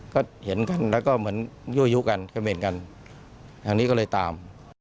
ก็เห็นกันแล้วก็เหมือนยั่วยุกันเขม่นกันทางนี้ก็เลยตาม